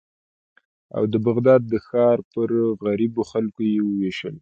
او د بغداد د ښار پر غریبو خلکو یې ووېشل.